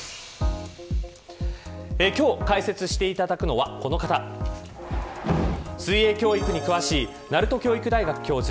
今日解説していただくのはこの方水泳教育に詳しい鳴門教育大学教授